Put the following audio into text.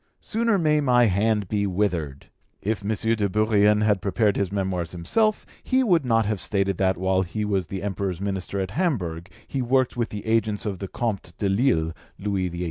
Sooner may my hand be withered.' If M. de Bourrienne had prepared his Memoirs himself, he would not have stated that while he was the Emperor's minister at Hamburg he worked with the agents of the Comte de Lille (Louis XVIII.)